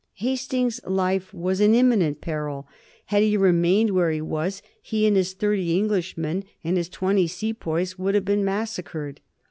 Hastings's life was in imminent peril. Had he remained where he was he and his thirty Englishmen and his twenty sepoys would have been massacred.